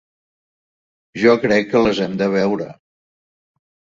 Jo crec que les hem de veure.